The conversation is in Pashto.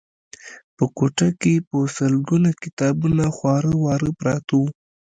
په کوټه کې په سلګونه کتابونه خواره واره پراته وو